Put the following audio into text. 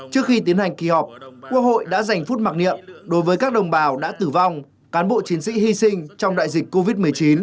trước khi tiến hành kỳ họp quốc hội đã dành phút mặc niệm đối với các đồng bào đã tử vong cán bộ chiến sĩ hy sinh trong đại dịch covid một mươi chín